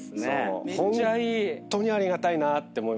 ホントにありがたいなって思いますけど。